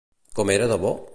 Com era de bo?